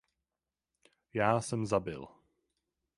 Já jsem zabil!